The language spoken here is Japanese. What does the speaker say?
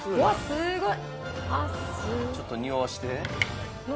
すごい。